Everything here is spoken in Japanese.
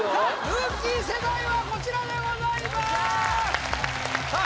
ルーキー世代はこちらでございまーすおっしゃーっさあ